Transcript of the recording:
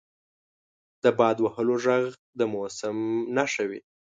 • د باد وهلو ږغ د موسم نښه وي.